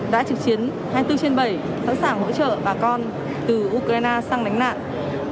đã trực chiến hai mươi bốn trên bảy sẵn sàng hỗ trợ bà con từ ukraine sang đánh nạn